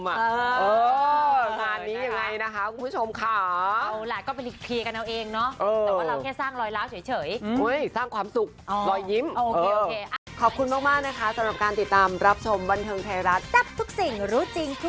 งานนี้ยังไงนะคะคุณผู้ชมค่ะ